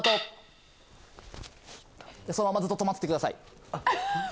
そのままずっと止まっててください。